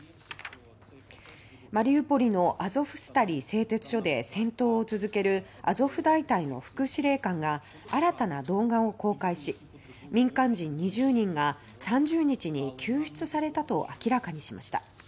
マリウポリのアゾフスタリ製鉄所で戦闘を続けるアゾフ大隊の副司令官が新たな動画を公開し民間人２０人が、３０日に救出されたと明らかにしました。